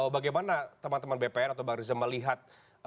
bagaimana teman teman bpn atau bang riza melihat